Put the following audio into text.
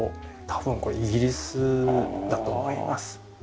多分これイギリスだと思います。